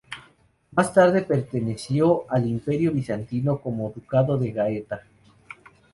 Más tarde perteneció al Imperio bizantino como Ducado de Gaeta.